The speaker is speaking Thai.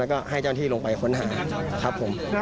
แล้วก็ให้เจ้าหน้าที่ลงไปค้นหาครับผม